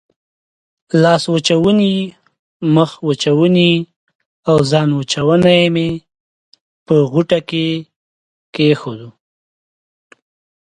لاسوچونې، مخوچونې او ځانوچونی مې په غوټه کې کېښودل.